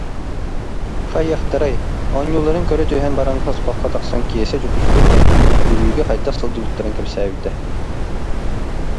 Хайыахтарай, оонньуулларын көрө түһэн баран хоспоххо тахсан Киэсэ Дьокуускайга, Бүлүүгэ хайдах сылдьыбыттарын кэпсээбитэ